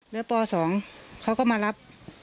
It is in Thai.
แล้วป๒เขาก็มารับ